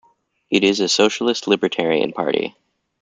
It is a socialist libertarian party.